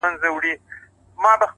پرمختګ د جرئت غوښتنه کوي’